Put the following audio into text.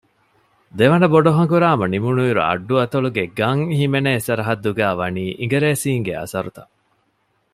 ދެވަނަ ބޮޑު ހަނގުރާމަ ނިމުނުއިރު އައްޑު އަތޮޅުގެ ގަން ހިމެނޭ ސަރަޙައްދުގައި ވަނީ އިނގިރޭސީންގެ އަސަރުތައް